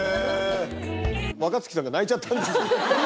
若槻さんが泣いちゃってるんですけど。